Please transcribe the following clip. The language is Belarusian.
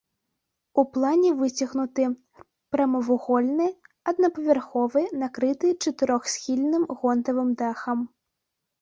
У плане выцягнуты, прамавугольны, аднапавярховы, накрыты чатырохсхільным гонтавым дахам.